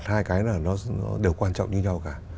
hai cái là nó đều quan trọng như nhau cả